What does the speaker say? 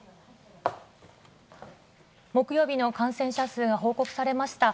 木曜日の感染者数が報告されました。